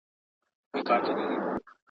استاد د شاګرد په مسوده کي اصلاحات راوستل.